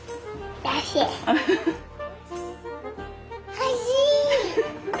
おいしい！